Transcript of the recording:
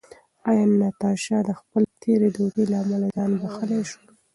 ایا ناتاشا د خپلې تېرې دوکې له امله ځان بښلی شو؟